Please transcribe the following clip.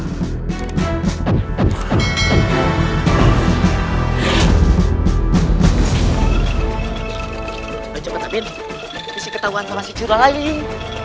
ayo cepat amin isi ketahuan sama si cura ling